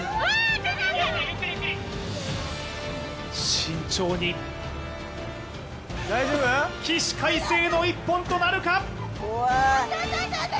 慎重に、起死回生の１本となるか？